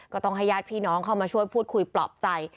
ก็ต้องให้ญาติพี่น้องเข้ามาช่วยพูดคุยปลอบใจ